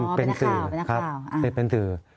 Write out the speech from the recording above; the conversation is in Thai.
คนของนี่เหรอครับเป็นหน้าข่าว